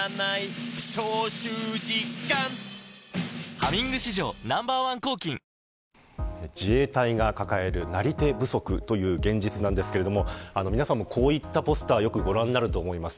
「ハミング」史上Ｎｏ．１抗菌自衛隊が抱えるなり手不足という現実なんですが皆さんもこういったポスターよくご覧になると思います。